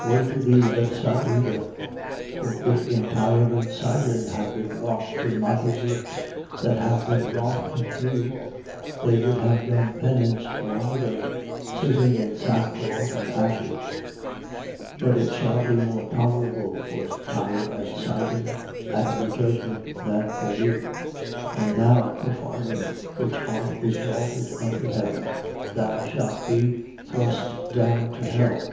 Woe to thee, Bethsaida! For if in Tyre and Sidon had been wrought the mighty works that have been wrought in you, they would have done penance long ago, sitting in sackcloth and ashes. 10:14. But it shall be more tolerable for Tyre and Sidon at the judgment than for you. 10:15. And thou, Capharnaum, which art exalted unto heaven, thou shalt be thrust down to hell. 10:16.